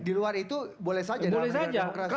di luar itu boleh saja dalam sejarah demokrasi